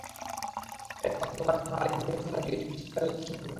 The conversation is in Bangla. এরপর গতকাল রোববার কারখানার মালিক হাজি নেছার আহমেদ ডিপিডিসির কার্যালয়ে আত্মসমর্পণ করেন।